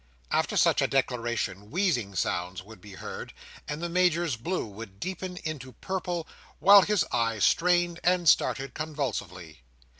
After such a declaration, wheezing sounds would be heard; and the Major's blue would deepen into purple, while his eyes strained and started convulsively.